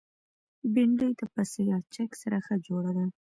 بېنډۍ د پسه یا چرګ سره ښه جوړه ده